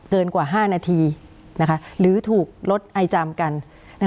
เกินกว่า๕นาทีนะคะหรือถูกลดไอจำกันนะคะ